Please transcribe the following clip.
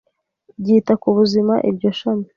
ryita ku buzima iryo shami